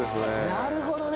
なるほどね！